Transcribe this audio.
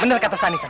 benar kata sani san